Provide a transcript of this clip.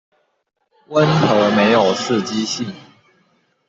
溫和沒有刺激性